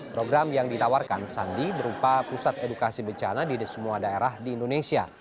program yang ditawarkan sandi berupa pusat edukasi bencana di semua daerah di indonesia